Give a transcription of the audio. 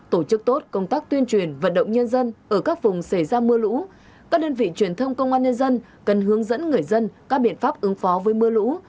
tổ chức tốt công tác tuyên truyền vận động nhân dân ở các vùng xảy ra mưa lũ các đơn vị truyền thông công an nhân dân cần hướng dẫn người dân các biện pháp ứng phó với mưa lũ